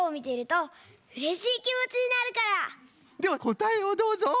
こたえをどうぞ。